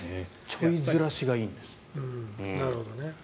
ちょいずらしがいいんですね。